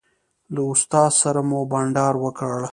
له استاد سره مو بانډار وکړ.